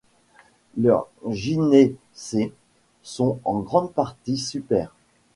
Leur gynécées sont en grande partie supère.